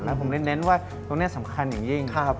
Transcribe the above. แล้วผมเน้นว่าตรงนี้สำคัญอย่างยิ่ง